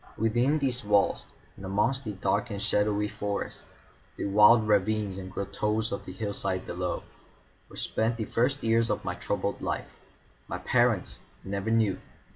Within these walls, and amongst the dark and shadowy forests, the wild ravines and grottoes of the hillside below, were spent the first years of my troubled life. My parents I never knew.